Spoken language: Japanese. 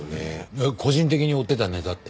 えっ個人的に追ってたネタって？